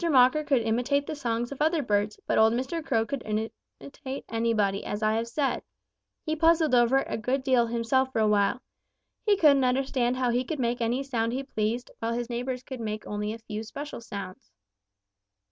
Mocker could imitate the songs of other birds, but old Mr. Crow could imitate anybody, as I have said. He puzzled over it a good deal himself for a while. He couldn't understand how he could make any sound he pleased, while his neighbors could make only a few special sounds.